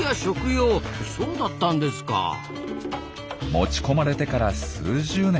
持ち込まれてから数十年。